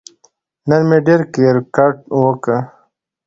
نن مې ډېر کیرکټ وکه